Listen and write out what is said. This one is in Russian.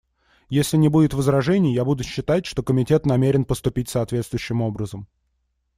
Если не будет возражений, я буду считать, что Комитет намерен поступить соответствующим образом.